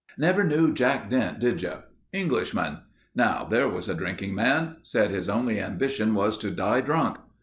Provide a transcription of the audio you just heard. "Never knew Jack Dent, did you? Englishman. Now there was a drinking man. Said his only ambition was to die drunk.